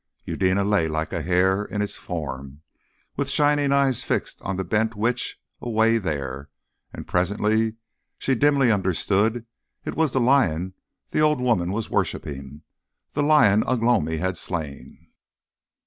Eudena lay like a hare in its form, with shining eyes fixed on the bent witch away there, and presently she dimly understood it was the lion the old woman was worshipping the lion Ugh lomi had slain.